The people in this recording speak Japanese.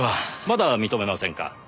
まだ認めませんか？